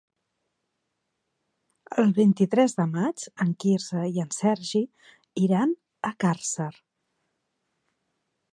El vint-i-tres de maig en Quirze i en Sergi iran a Càrcer.